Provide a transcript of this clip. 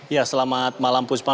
ya selamat malam puspa